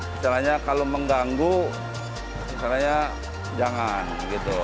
misalnya kalau mengganggu misalnya jangan gitu